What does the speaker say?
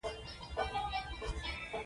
هغه لا وړه ده خو ډېره شوخه ماشومه ده.